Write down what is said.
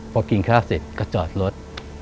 พอกินข้าวเสร็จก็จอดรถ